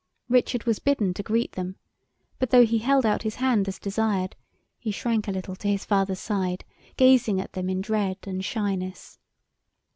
Richard was bidden to greet them, but, though he held out his hand as desired, he shrank a little to his father's side, gazing at them in dread and shyness.